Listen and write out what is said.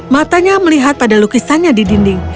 matanya melihat pada lukisannya di dinding